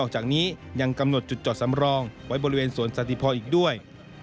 จากนี้ยังกำหนดจุดจอดสำรองไว้บริเวณสวนสันติพออีกด้วย